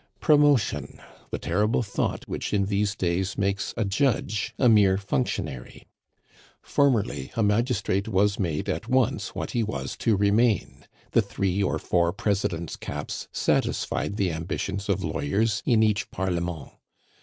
Promotion! The terrible thought, which in these days makes a judge a mere functionary. Formerly a magistrate was made at once what he was to remain. The three or four presidents' caps satisfied the ambitions of lawyers in each Parlement.